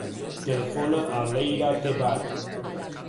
Telefona a l'Eira Tebar.